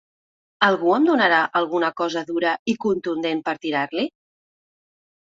Algú em donarà alguna cosa dura i contundent per tirar-li?